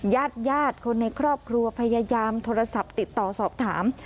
ญาติญาติคนในครอบครัวพยายามโทรศัพท์ติดต่อสอบถาม